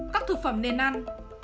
các thực phẩm nên ăn